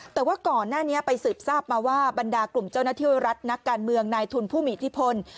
แต่ว่าก่อนหน้านี้ไปสืบทราบมาว่าบรรดากลุ่มเจ้าหน้าที่รัฐนักการเมืองนายทุนผู้มีอิทธิพล